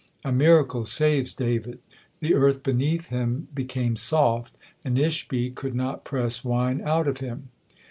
A miracle saves David. The earth beneath him became soft, and Ishbi could not press wine out of him.